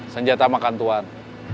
senjata makan tuan